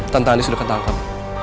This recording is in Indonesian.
tante andi sudah ketangkap